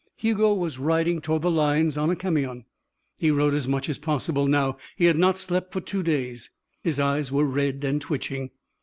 Hugo was riding toward the lines on a camion. He rode as much as possible now. He had not slept for two days. His eyes were red and twitching.